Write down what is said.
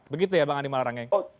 begitu ya bang andi malarangeng